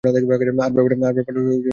আর ব্যাপারটা একটু অদ্ভুতও।